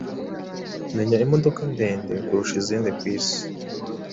menya imodoka ndende kurusha izindi ku isi